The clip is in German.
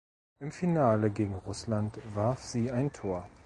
Im Finale gegen Russland warf sie ein Tor.